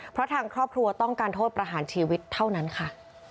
เพราะทางครอบครัวต้องการโทษประหารชีวิตเท่านั้นค่ะ